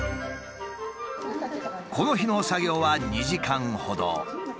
この日の作業は２時間ほど。